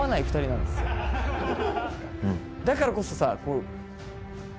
だからこそさ。